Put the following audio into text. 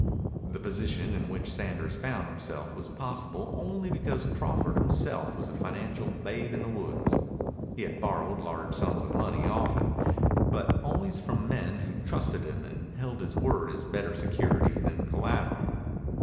The position in which Sanders found himself was possible only because Crawford was himself a financial babe in the woods. He had borrowed large sums of money often, but always from men who trusted him and held his word as better security than collateral.